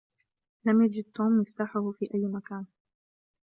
لم يجد توم مفتاحه في أي مكان.